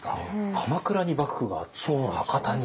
鎌倉に幕府があって博多に。